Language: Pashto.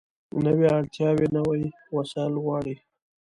نوې اړتیا نوي وسایل غواړي